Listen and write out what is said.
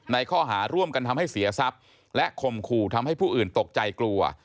ข้อหาร่วมกันทำให้เสียทรัพย์และข่มขู่ทำให้ผู้อื่นตกใจกลัว